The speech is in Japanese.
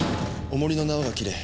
おもりの縄が切れ